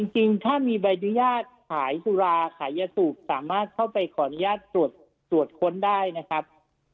จริงถ้ามีใบอนุญาตขายสุราขายยาสูบสามารถเข้าไปขออนุญาตตรวจค้นได้นะครับ